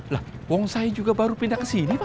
lah uang saya juga baru pindah ke sini pak